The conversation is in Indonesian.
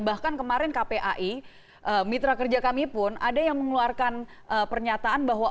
bahkan kemarin kpai mitra kerja kami pun ada yang mengeluarkan pernyataan bahwa